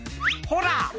「ほら！